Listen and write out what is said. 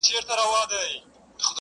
• اوس خو پوره تر دوو بـجــو ويــښ يـــم؛